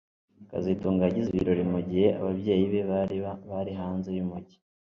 kazitunga yagize ibirori mugihe ababyeyi be bari hanze yumujyi